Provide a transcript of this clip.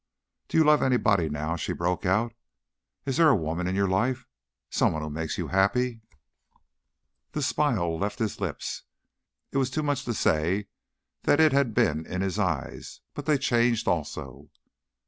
"Do you love anybody now?" she broke out. "Is there a woman in your life? Some one who makes you happy?" The smile left his lips. It was too much to say that it had been in his eyes, but they changed also.